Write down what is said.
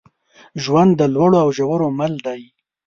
ژوند د لوړو او ژورو مل دی.